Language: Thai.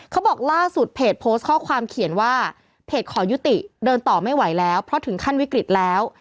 เขาบอกล่าสุดเพจโพสต์ข้อความเขียนว่าเพจขอยุติเดินต่อไม่ไหวแล้วเพราะถึงขั้นวิกฤตแล้ว